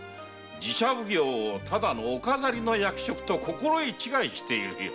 寺社奉行をただのお飾り役職と心得違いしているようだ。